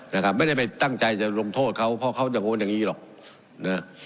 นะครับไม่ได้ไปตั้งใจจะลงโทษเขาเพราะเขาอย่างนู้นอย่างนี้หรอกนะ